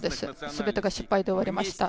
全てが失敗で終わりました。